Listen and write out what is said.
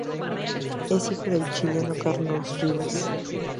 Es hijo del chileno Carlos Rivas.